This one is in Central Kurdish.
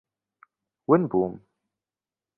ون بووم.